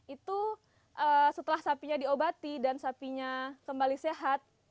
itu setelah sapinya diobati dan sapinya kembali sehat